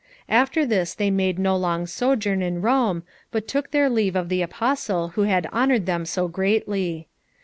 After this they made no long sojourn in Rome, but took their leave of the Apostle who had honoured them so greatly.